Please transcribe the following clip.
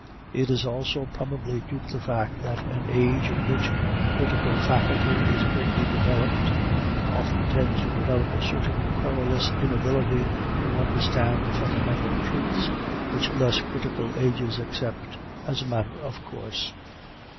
It is also probably due to the fact that an age in which the critical faculty is greatly developed often tends to develop a certain querulous inability to understand the fundamental truths which less critical ages accept as a matter of course.